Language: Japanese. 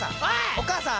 お母さん！